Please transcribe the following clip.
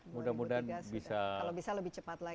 mudah mudahan bisa lebih cepat lagi